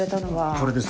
これです。